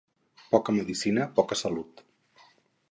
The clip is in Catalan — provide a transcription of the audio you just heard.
Poca medecina, poca salut.